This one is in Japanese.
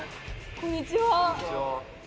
こんにちは。